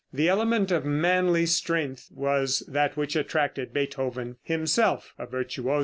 The element of manly strength was that which attracted Beethoven, himself a virtuoso.